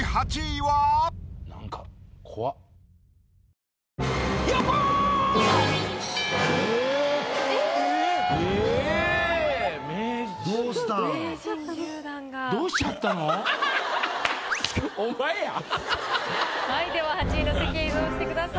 はいでは８位の席へ移動してください。